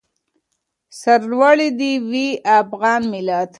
سرلوړی دې وي افغان ملت.